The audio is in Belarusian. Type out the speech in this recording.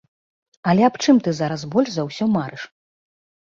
Але аб чым ты зараз больш за ўсё марыш?